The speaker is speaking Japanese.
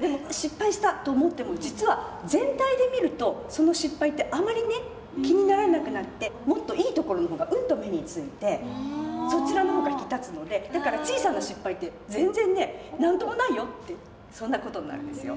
でも失敗したと思っても実は全体で見るとその失敗ってあまりね気にならなくなってもっといいところの方がうんと目に付いてそちらの方が引き立つのでだから小さな失敗って全然ね何ともないよってそんな事になるんですよ。